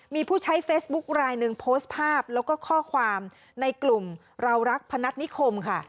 มีผู้ใช้เฟซบุ๊คลายหนึ่งโพสต์ภาพแล้วก็ข้อความในกลุ่มเรารักพนัฐนิคมค่ะ